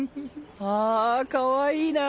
あかわいいな。